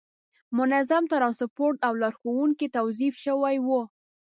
منظم ترانسپورت او لارښوونکي توظیف شوي وو.